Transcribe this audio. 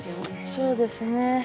そうですね。